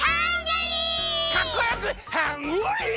かっこよくハングリー！